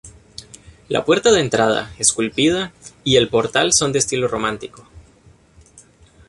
La puerta de entrada, esculpida, y el portal son de estilo románico.